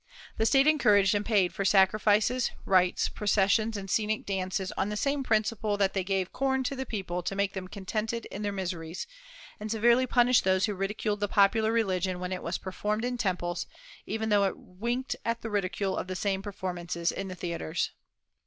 The State encouraged and paid for sacrifices, rites, processions, and scenic dances on the same principle that they gave corn to the people to make them contented in their miseries, and severely punished those who ridiculed the popular religion when it was performed in temples, even though it winked at the ridicule of the same performances in the theatres.